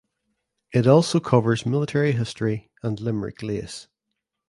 It also covers military history and Limerick lace.